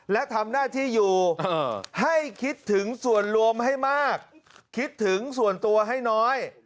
และทำหน้าที่อยู่ให้คิดถึงส่วนรวมให้มากคิดถึงส่วนตัวให้น้อย